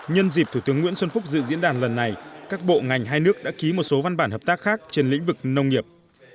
nhân dịp thủ tướng nguyễn xuân phúc dự diễn đàn lần này các bộ ngành hai nước đã ký một số văn bản hợp tác khác trên lĩnh vực nông nghiệp